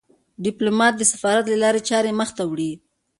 ډيپلومات د سفارت له لارې چارې مخ ته وړي.